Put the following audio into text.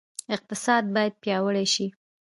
اقتصاد باید پیاوړی شي